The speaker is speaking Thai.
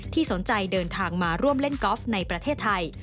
สนใจเดินทางมาร่วมเล่นกอล์ฟในประเทศไทย